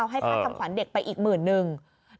ให้ค่าทำขวัญเด็กไปอีกหมื่นนึง